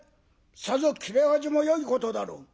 さぞ切れ味もよいことだろう。